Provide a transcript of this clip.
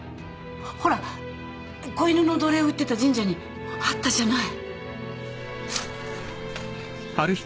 ほら子犬の土鈴売ってた神社にあったじゃない。